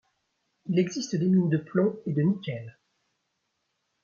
Il existe des mines de plomb et de nickel.